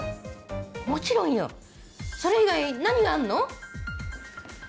もちろんよそれ以外何があんの？